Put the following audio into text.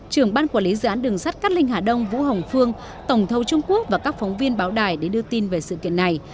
trưởng ban quản lý dự án đường sắt cát linh hà đông vũ hồng phương tổng thầu trung quốc và các phóng viên báo đài để đưa tin về sự kiện này